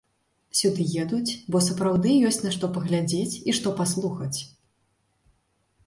Сюды едуць, бо сапраўды ёсць на што паглядзець і што паслухаць.